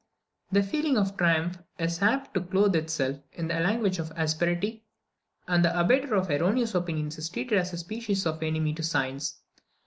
The feeling of triumph is apt to clothe itself in the language of asperity; and the abettor of erroneous opinions is treated as a species of enemy to science.